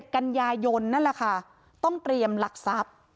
กันยายนนั่นแหละค่ะต้องเตรียมหลักทรัพย์